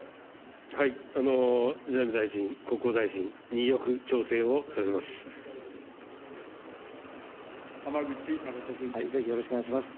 財務大臣、国交大臣によく調整をさせます。